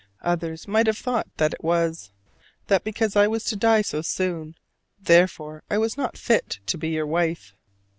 Others might have thought that it was: that because I was to die so soon, therefore I was not fit to be your wife.